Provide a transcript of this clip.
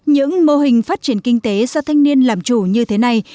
những mô hình phát triển kinh tế do thanh niên làm chủ như thế này